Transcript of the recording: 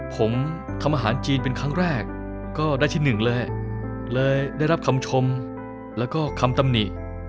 ผมทำอาหารจีนเป็นครั้งแรกก็ได้ที่หนึ่งเลยเลยได้รับคำชมแล้วก็คำตำหนิ